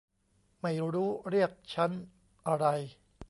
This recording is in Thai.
ไม่รู้เรียกชั้นอะไร